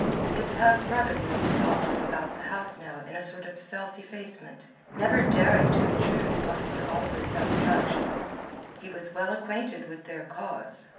His half brother moved softly about the house now in a sort of self effacement, never daring to intrude upon Sir Oliver's abstractions. He was well acquainted with their cause.